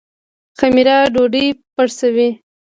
خمیره ډوډۍ پړسوي